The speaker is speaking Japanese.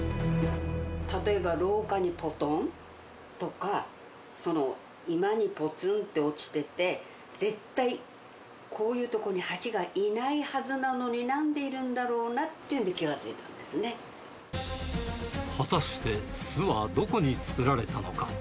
例えば廊下にぽとんとか、居間にぽつんと落ちてて、絶対、こういうとこにハチがいないはずなのに、なんでいるんだろうなっ果たして、巣はどこに作られたのか。